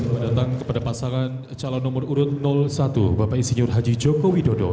pembangunan calon nomor urut satu bapak insinyur haji jokowi